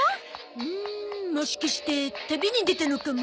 うんもしかして旅に出たのかも。